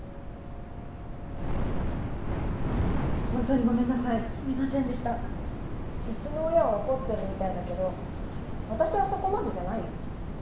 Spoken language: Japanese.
本当にごめんなさいすみませんでしたうちの親は怒ってるみたいだけど私はそこまでじゃないよ